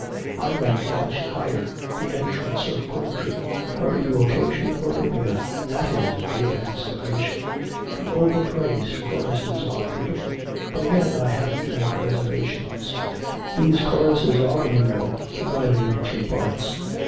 I rank much higher the entrance of Kundry her evocation of Arabia.... That is a real inspiration! The over praised choruses are beautiful, but again I have to make reservations. These choruses are, you know, divided into three parts.